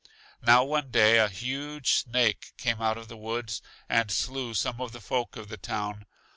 Now, one day, a huge snake came out of the woods and slew some of the folk of the town.